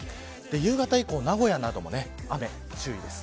夕方以降名古屋も雨に注意です。